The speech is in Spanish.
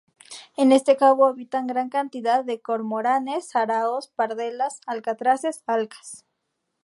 En este cabo habitan gran cantidad de cormoranes, araos, pardelas, alcatraces, alcas...